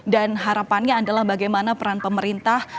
dan harapannya adalah bagaimana peran pemerintah